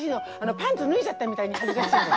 パンツ脱いじゃったみたいに恥ずかしいの。